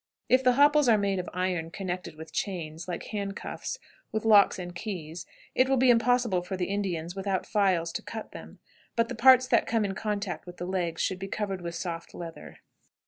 If the hopples are made of iron connected with chains, like handcuffs, with locks and keys, it will be impossible for the Indians, without files, to cut them; but the parts that come in contact with the legs should be covered with soft leather.